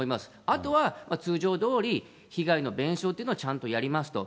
あとは通常どおり、被害の弁償というのはちゃんとやりますと。